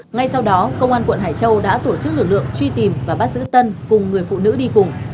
ngay sau đó công an quận hải châu đã tổ chức lực lượng truy tìm và bắt giữ tân cùng người phụ nữ đi cùng